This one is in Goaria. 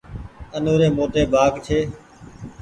آ نوري موٽي ڀآگ ڇي۔